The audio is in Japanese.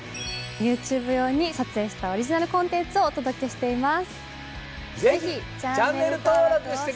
ＹｏｕＴｕｂｅ用に撮影したオリジナルコンテンツをお届けしています。